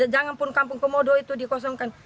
jangan pun kampung komodo itu dikosongkan